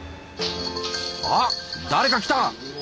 あっ誰か来た！